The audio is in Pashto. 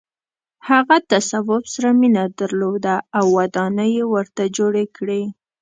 هغه تصوف سره مینه درلوده او ودانۍ یې ورته جوړې کړې.